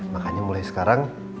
makanya mulai sekarang